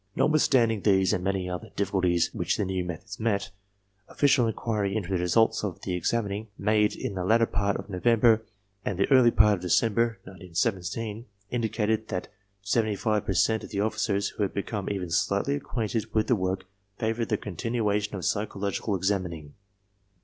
Notwithstanding these and many other difficulties which the new methods met, official inquiry into the results of the examining made in the latter part of November and the early part of December, 1917, indicated that seventy five per cent of the officers who had become even slightly acquainted with the work favored the continuation of psychological exam ining.